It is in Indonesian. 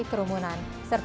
terima kasih armored